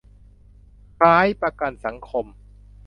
คล้ายประกันสังคม